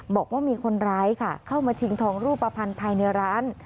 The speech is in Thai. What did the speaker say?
บอกว่ามีคนร้ายค่ะเข้ามาชิงทองรูปภัณฑ์ภายในร้าน